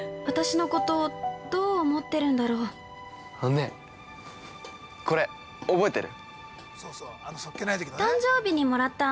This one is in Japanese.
◆ねっ、これ、覚えてる？